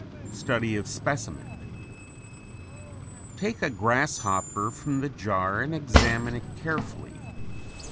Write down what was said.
STUDY OF SPECIMEN Take a grasshopper from the jar and examine it carefully.